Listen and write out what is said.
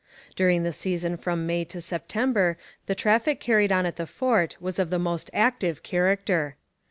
During the season from May to September the traffic carried on at the fort was of the most active character.